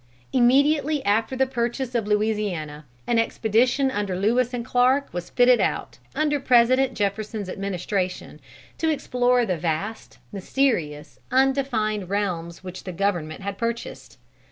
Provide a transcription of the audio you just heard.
Immediately after the purchase of Louisiana, an expedition under Lewis and Clark was fitted out, under President Jefferson's administration, to explore the vast, mysterious, undefined realms which the government had purchased.